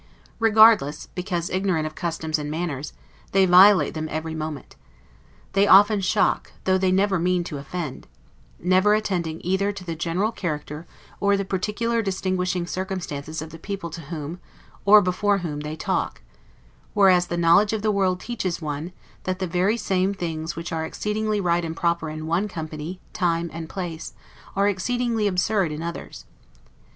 Regardless, because ignorant, of customs and manners, they violate them every moment. They often shock, though they never mean to offend: never attending either to the general character, or the particular distinguishing circumstances of the people to whom, or before whom they talk; whereas the knowledge of the world teaches one, that the very same things which are exceedingly right and proper in one company, time and place, are exceedingly absurd in others.